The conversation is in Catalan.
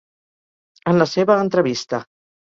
En la seva entrevista.